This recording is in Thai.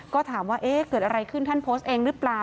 ก็ถามว่าเอ๊ะเกิดอะไรขึ้นท่านโพสต์เองหรือเปล่า